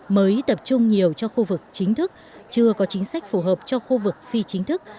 mới tập trung nhiều cho khu vực chính thức chưa có chính sách phù hợp cho khu vực phi chính thức